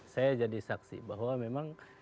saya jadi saksi bahwa memang